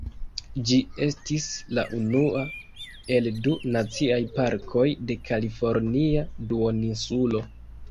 Ĝi estis la unua el du naciaj parkoj de Kalifornia Duoninsulo.